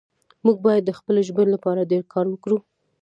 موږ باید د خپلې ژبې لپاره ډېر کار وکړو